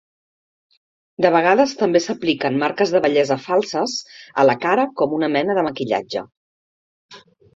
De vegades també s'apliquen marques de bellesa falses a la cara com una mena de maquillatge.